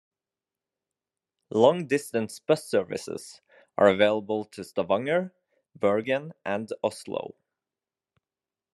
Long distance bus services are available to Stavanger, Bergen, and Oslo.